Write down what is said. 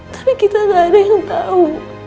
tapi kita gak ada yang tahu